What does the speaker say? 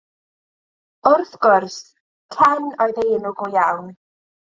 Wrth gwrs, Cen oedd ei enw go iawn.